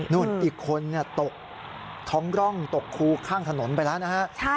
อีกคนตกท้องร่องตกคูข้างถนนไปแล้วนะฮะ